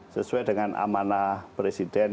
sesuai dengan amanah presiden